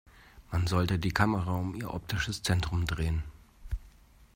Man sollte die Kamera um ihr optisches Zentrum drehen.